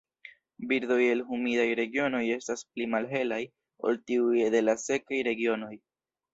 Birdoj el humidaj regionoj estas pli malhelaj ol tiuj de la sekaj regionoj.